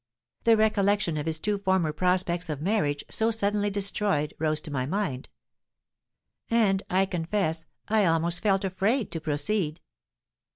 The recollection of his two former prospects of marriage, so suddenly destroyed, rose to my mind; and, I confess, I almost felt afraid to proceed.